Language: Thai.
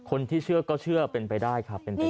คนที่เชื่อก็เชื่อเป็นไปได้ค่ะเป็นไปได้